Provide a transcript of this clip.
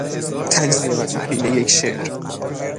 تجزیه و تحلیل یک شعر